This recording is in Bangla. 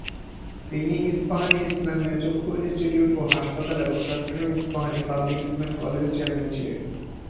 তিনি ইস্পাহানী ইসলামিয়া চক্ষু ইনস্টিটিউট ও হাসপাতাল এবং চট্টগ্রামের ইস্পাহানী পাবলিক স্কুল এন্ড কলেজের চেয়ারম্যান ছিলেন।